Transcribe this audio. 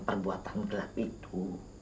perbuatan gelap itu